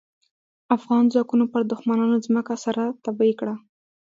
افغان ځواکونو پر دوښمنانو ځمکه سره تبۍ کړه.